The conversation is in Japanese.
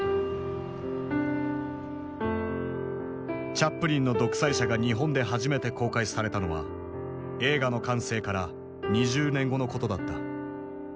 チャップリンの「独裁者」が日本で初めて公開されたのは映画の完成から２０年後のことだった。